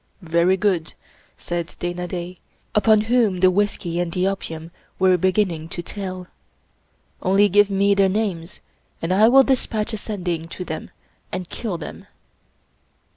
"Very good," said Dana Da, upon whom the whisky and the opium were beginning to tell. " Only give me their names, and I will dispatch a Sending to them and kill them."